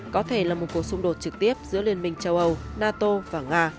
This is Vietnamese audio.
có thể là một cuộc xung đột trực tiếp giữa liên minh châu âu nato và nga